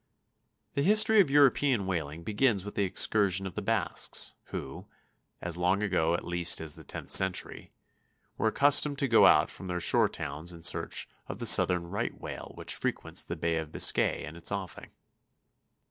The history of European whaling begins with the excursions of the Basques, who, as long ago at least as the tenth century, were accustomed to go out from their shore towns in search of the southern right whale which frequents the Bay of Biscay and its offing.